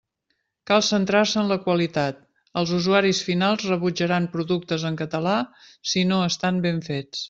Cal centrar-se en la qualitat: els usuaris finals rebutjaran productes en català si no estan ben fets.